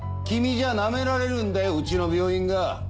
君じゃナメられるんだようちの病院が。